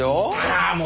ああもう！